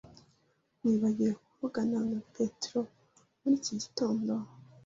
Wibagiwe kuvugana na Petero muri iki gitondo?